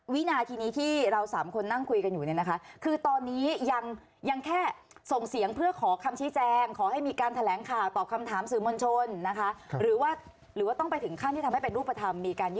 ข้างที่ทำให้เป็นรูปธรรมมีการยื่นถอดถอนเอาเอกสารอย่างเป็นทางการ